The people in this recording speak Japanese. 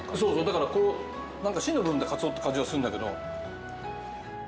だからなんか芯の部分でカツオって感じがするんだけど。